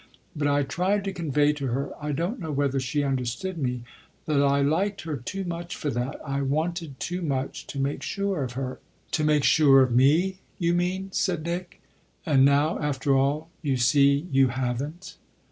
But I tried to convey to her I don't know whether she understood me that I liked her too much for that, I wanted too much to make sure of her." "To make sure of me, you mean," said Nick. "And now after all you see you haven't."